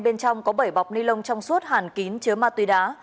bên trong có bảy bọc ni lông trong suốt hàn kín chứa ma túy đá